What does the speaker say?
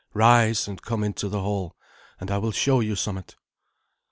"Rise and come into the hall, and I will show you somewhat."